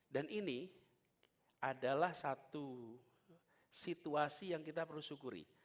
dan ini adalah satu situasi yang kita perlu syukuri